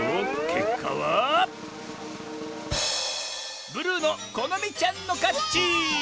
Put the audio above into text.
けっかはブルーのこのみちゃんのかち！